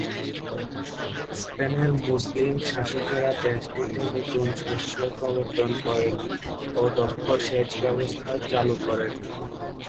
স্পেনের মুসলিম শাসকেরা দেশটিতে নতুন শস্য প্রবর্তন করেন ও দক্ষ সেচ ব্যবস্থা চালু করেন।